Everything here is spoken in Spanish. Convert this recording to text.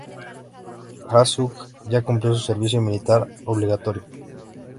Ja-sug ya cumplió su servicio militar obligatorio.